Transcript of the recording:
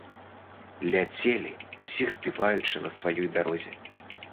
Ляцелі, усіх збіваючы на сваёй дарозе!